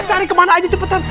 cari kemana aja cepetan